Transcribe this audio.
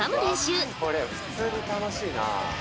これ普通に楽しいな。